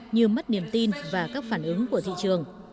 như mất niềm tin và các phản ứng của thị trường